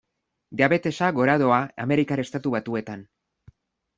Diabetesa gora doa Amerikar Estatu Batuetan.